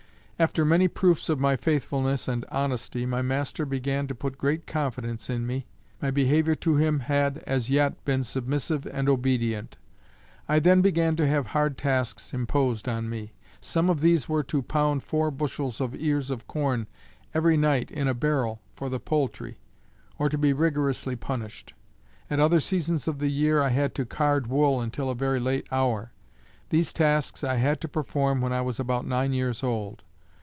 After many proofs of my faithfulness and honesty, my master began to put great confidence in me. My behavior to him had as yet been submissive and obedient. I then began to have hard tasks imposed on me. Some of these were to pound four bushels of ears of corn every night in a barrel for the poultry, or be rigorously punished. At other seasons of the year I had to card wool until a very late hour. These tasks I had to perform when I was about nine years old.